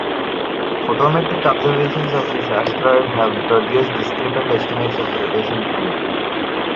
Photometric observations of this asteroid have produced discrepant estimates of the rotation period.